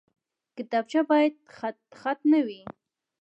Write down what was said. کتابچه باید خطخط نه وي